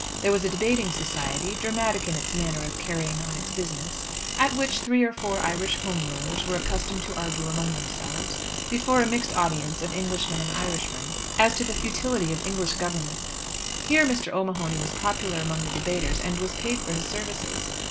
There was a debating society, dramatic in its manner of carrying on its business, at which three or four Irish Home Rulers were accustomed to argue among themselves, before a mixed audience of Englishmen and Irishmen, as to the futility of English government. Here Mr. O'Mahony was popular among the debaters, and was paid for his services.